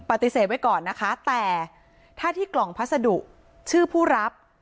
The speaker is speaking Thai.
ปฏิเสธไว้ก่อนนะคะแต่ถ้าที่กล่องพัสดุชื่อผู้รับ